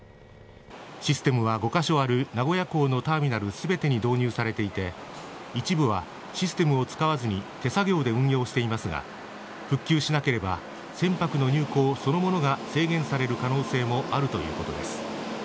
システムは５カ所ある名古屋港のターミナル全てに導入されていて一部はシステムを使わずに手作業で運用していますが復旧しなければ船舶の入港そのものが制限される可能性もあるということです。